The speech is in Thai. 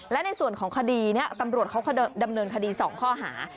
และในส่วนของคดีนี้ตำรวจเขาดำเนินคดี๒ข้อหา